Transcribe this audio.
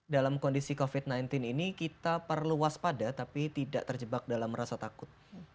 dalam kondisi covid sembilan belas ini kita perlu waspada tapi tidak terjebak dalam rasa takut